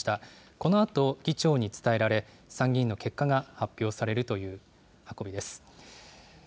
このあと、議長に伝えられ、参議院の結果が発表されるという運びです。